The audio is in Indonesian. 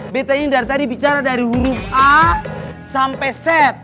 betain dari tadi bicara dari huruf a sampai set